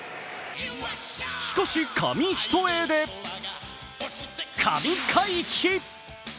しかし紙一重で神回避。